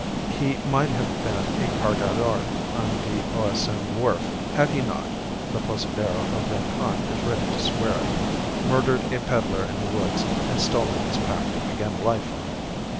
He might have been a Cargador on the O. S. N. wharf had he not (the posadero of Rincon is ready to swear it) murdered a pedlar in the woods and stolen his pack to begin life on.